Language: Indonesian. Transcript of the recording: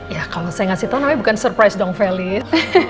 ya kalau saya ngasih tahu namanya bukan surprise dong felid